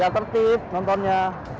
ya tertib nontonnya